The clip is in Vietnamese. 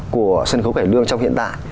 của sân khấu cải lương trong hiện tại